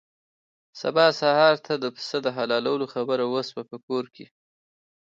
سبا سهار ته د پسه د حلالولو خبره وشوه په کور کې.